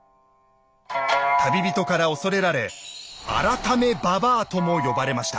旅人から恐れられ「改め婆」とも呼ばれました。